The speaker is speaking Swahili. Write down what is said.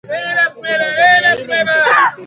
Masomo hayawezi kunilemea